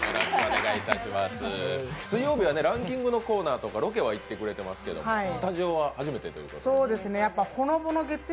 水曜日はランキングのコーナーとかロケは行ってくれてますけどスタジオは初めてということで。